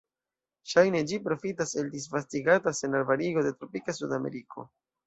Ŝajne ĝi profitas el disvastigata senarbarigo de tropika Sudameriko.